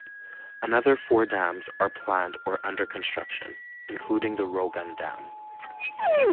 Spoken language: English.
Another four dams are planned or under construction, including the Rogun Dam.